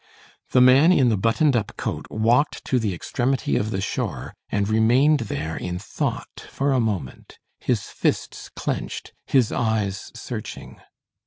The man in the buttoned up coat walked to the extremity of the shore, and remained there in thought for a moment, his fists clenched, his eyes searching.